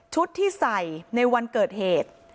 ที่ใส่ในวันเกิดเหตุ